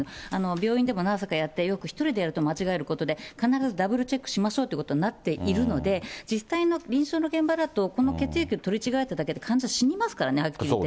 病院でもナースがやって、よく１人でやって間違えることで、必ずダブルチェックしましょうってなってるので、実際の臨床の現場だとこの血液を取り違えただけで、患者、死にますからね、はっきり言って。